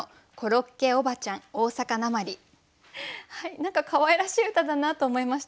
何かかわいらしい歌だなと思いました。